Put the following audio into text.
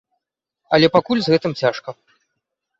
Але пакуль з гэтым цяжка.